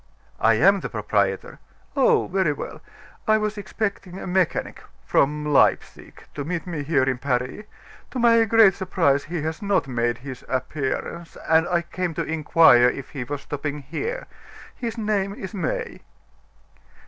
"I am the proprietor." "Oh! very well. I was expecting a mechanic from Leipsic to meet me here in Paris. To my great surprise, he has not made his appearance; and I came to inquire if he was stopping here. His name is May."